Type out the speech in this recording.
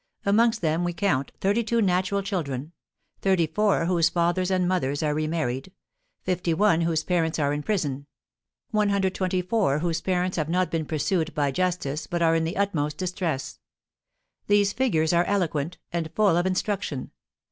Amongst them we count thirty two natural children; thirty four whose fathers and mothers are re married; fifty one whose parents are in prison; 124 whose parents have not been pursued by justice, but are in the utmost distress. These figures are eloquent, and full of instruction.